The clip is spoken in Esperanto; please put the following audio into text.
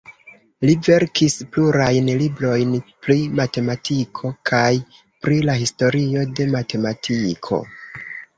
Li verkis plurajn librojn pri matematiko kaj pri la historio de matematiko.